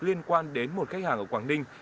liên quan đến một khách hàng ở quảng ninh